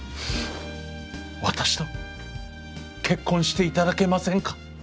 「私と結婚していただけませんか」。